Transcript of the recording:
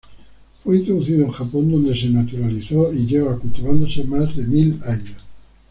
Fue introducido en Japón, donde se naturalizó y lleva cultivándose más de mil años.